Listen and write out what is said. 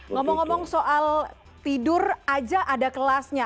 ngomong ngomong soal tidur aja ada kelasnya